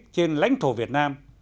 trên lãnh thổ việt nam